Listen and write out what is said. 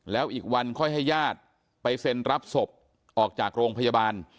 แล้วอีกวันค่อยให้ญาติไปเซ็นรับศพออกจากโรงพยาบาล